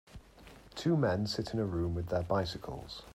Two men sit in a room with their bicycles.